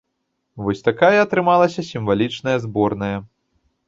Вось такая атрымалася сімвалічная зборная.